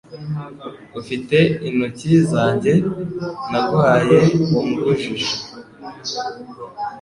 ufite intoki zanjye naguhaye ungujije